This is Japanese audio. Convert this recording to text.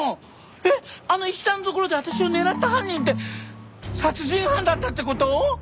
えっあの石段のところで私を狙った犯人って殺人犯だったって事！？